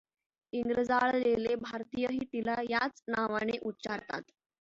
इंग्रजाळलेले भारतीयही तिला याच नावाने उच्चारतात.